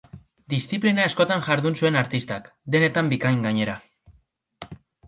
Diziplina askotan jardun zuen artistak, denetan bikain, gainera.